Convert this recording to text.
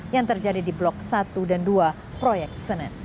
yang terjadi di blok satu dan dua proyek senen